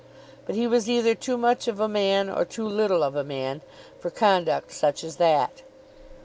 But he was either too much of a man or too little of a man for conduct such as that.